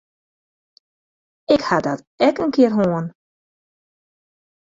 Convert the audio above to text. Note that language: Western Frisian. Ik ha dat ek in kear hân.